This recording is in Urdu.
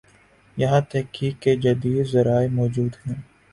یہاںتحقیق کے جدید ذرائع موجود ہیں۔